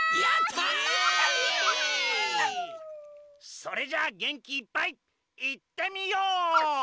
それじゃあげんきいっぱいいってみよう！